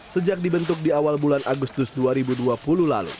sejak dibentuk di awal bulan agustus dua ribu dua puluh lalu